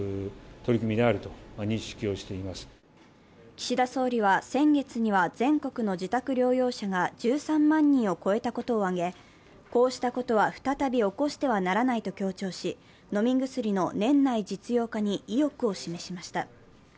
岸田総理は、先月には全国の自宅療養者が１３万人を超えたことを挙げ、こうしたことは再び起こしてはならないと強調し飲み薬の年内実用化に意欲を示しました。